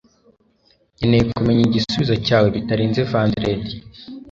nkeneye kumenya igisubizo cyawe bitarenze vendredi